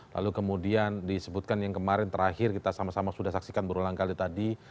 lalu kemudian disebutkan yang kemarin terakhir kita sama sama sudah saksikan berulang kali tadi